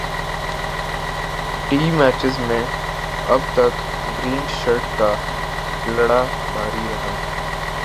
T matches میں اب تک گرین شرٹس کا پلڑا بھاری رہا